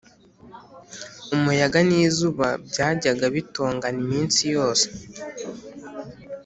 umuyaga n'izuba byajyaga bitongana iminsi yose